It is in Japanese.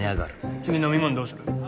次飲み物どうする？